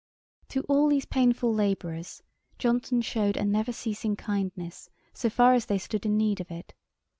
Ætat 38.] To all these painful labourers, Johnson shewed a never ceasing kindness, so far as they stood in need of it.